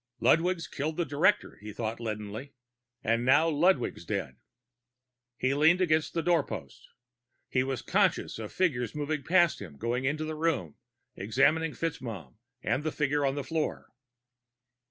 Ludwig's killed the director, he thought leadenly. And now Ludwig's dead. He leaned against the doorpost. He was conscious of figures moving past him, going into the room, examining FitzMaugham and the figure on the floor.